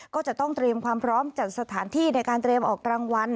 ก็จะต้องเตรียมความพร้อมจัดสถานที่ในการเตรียมออกรางวัล